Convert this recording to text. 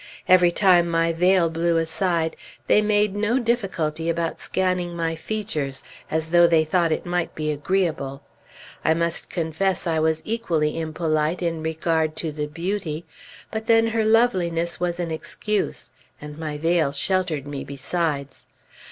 Every time my veil blew aside, they made no difficulty about scanning my features as though they thought it might be agreeable. I must confess I was equally impolite in regard to the Beauty; but then her loveliness was an excuse, and my veil sheltered me, besides.